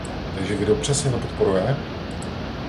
Takže kdo přesně to podporuje?